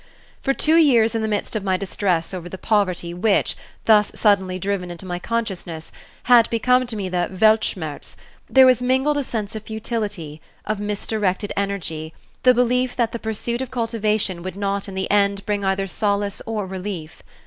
For two years in the midst of my distress over the poverty which, thus suddenly driven into my consciousness, had become to me the "Weltschmerz," there was mingled a sense of futility, of misdirected energy, the belief that the pursuit of cultivation would not in the end bring either solace or relief.